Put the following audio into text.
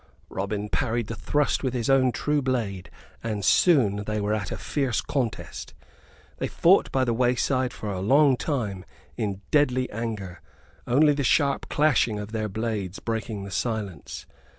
Robin parried the thrust with his own true blade, and soon they were at a fierce contest. They fought by the wayside for a long while in a deadly anger, only the sharp clashing of their blades breaking the silence.